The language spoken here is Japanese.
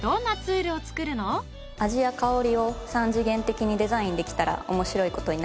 味や香りを３次元的にデザインできたら面白いことになるなと。